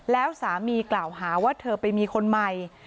แล้วสามีกล่าวหาว่าเธอไปมีคนใหม่